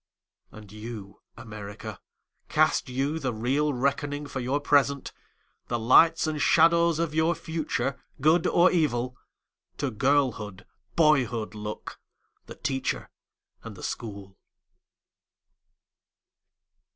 And you America, Cast you the real reckoning for your present? The lights and shadows of your future, good or evil? To girlhood, boyhood look, the teacher and the school.